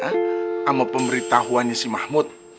sama pemberitahuannya si mahmud